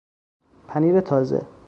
پنیر تازه